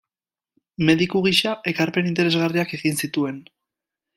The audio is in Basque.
Mediku gisa, ekarpen interesgarriak egin zituen.